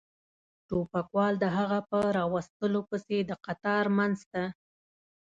ټوپکوال د هغه په را وستلو پسې د قطار منځ ته.